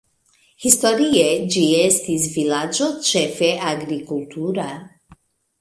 Historie ĝi estis vilaĝo ĉefe agrikultura.